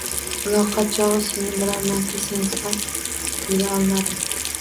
Muloqot chog‘i sizni biror marta sensirab tilga olmadi